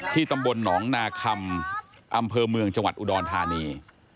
ตำบลหนองนาคำอำเภอเมืองจังหวัดอุดรธานี